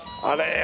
あれ？